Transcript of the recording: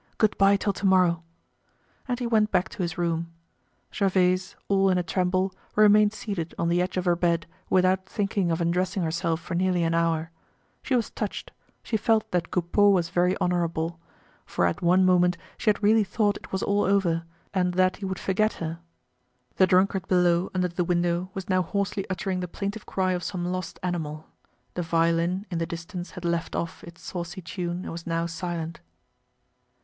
Good bye till to morrow." And he went back to his room. Gervaise, all in a tremble, remained seated on the edge of her bed, without thinking of undressing herself for nearly an hour. She was touched; she felt that Coupeau was very honorable; for at one moment she had really thought it was all over, and that he would forget her. The drunkard below, under the window, was now hoarsely uttering the plaintive cry of some lost animal. The violin in the distance had left off its saucy tune and was now silent.